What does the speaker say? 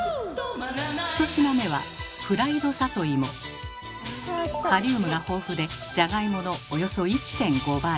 １品目はカリウムが豊富でじゃがいものおよそ１．５倍。